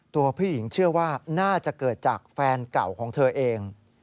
ตัวผู้หญิงเชื่อว่าน่าจะเกิดจากแฟนเก่าของเธอเอง